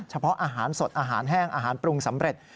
เฉพาะอาหารสดอาหารแห้งอาหารปรุงสำเร็จ